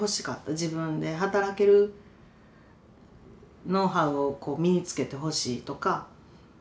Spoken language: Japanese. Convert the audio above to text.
自分で働けるノウハウをこう身につけてほしいとか。